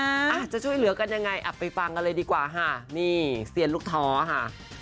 อาจจะช่วยเหลือกันยังไงอ่ะไปฟังกันเลยดีกว่าค่ะนี่เซียนลูกท้อค่ะ